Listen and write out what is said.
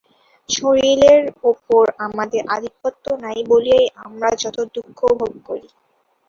শরীরের উপর আমাদের আধিপত্য নাই বলিয়াই আমরা যত দুঃখ ভোগ করি।